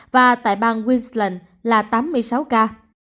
và tại bang queensland là tám mươi sáu ca